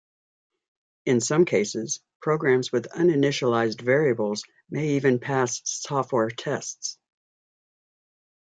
In some cases, programs with uninitialized variables may even pass software tests.